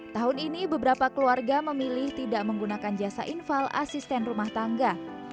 tahun ini beberapa keluarga memilih tidak menggunakan jasa infal asisten rumah tangga